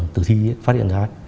tử thi phát hiện ra